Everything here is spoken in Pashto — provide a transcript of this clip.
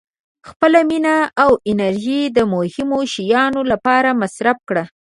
• خپله مینه او انرژي د مهمو شیانو لپاره مصرف کړه.